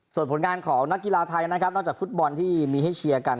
ส่วนผลงานของนักกีฬาไทยนะครับนอกจากฟุตบอลที่มีให้เชียร์กัน